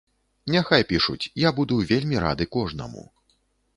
Няхай пішуць, я буду вельмі рады кожнаму.